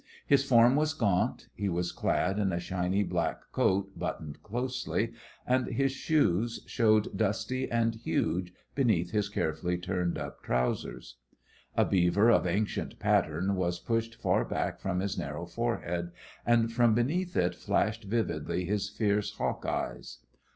His form was gaunt. He was clad in a shiny black coat buttoned closely, and his shoes showed dusty and huge beneath his carefully turned up trousers. A beaver of ancient pattern was pushed far back from his narrow forehead, and from beneath it flashed vividly his fierce hawk eyes.